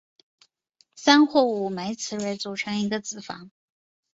三或五枚雌蕊组成一个子房。